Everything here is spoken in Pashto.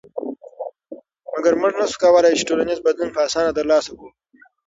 مګر موږ نشو کولی چې ټولنیز بدلون په اسانه تر لاسه کړو.